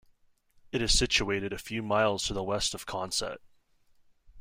It is situated a few miles to the west of Consett.